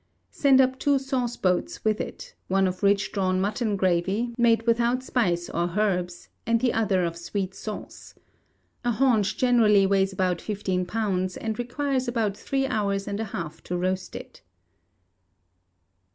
Send up two sauce boats with it; one of rich drawn mutton gravy, made without spice or herbs, and the other of sweet sauce. A haunch generally weighs about fifteen pounds, and requires about three hours and a half to roast it.